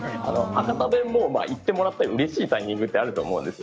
博多弁も言ってもらったらうれしいタイミングもあります。